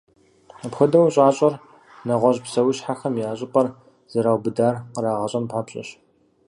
Апхуэдэу щӏащӏэр, нэгъуэщӏ псэущхьэхэм, а щӏыпӏэр зэраубыдар кърагъэщӏэн папщӏэщ.